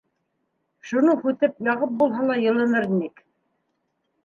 Шуны һүтеп яғып булһа ла йылыныр инек.